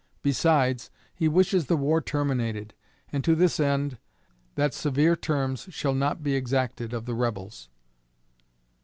Besides, he wishes the war terminated, and, to this end, that severe terms shall not be exacted of the Rebels."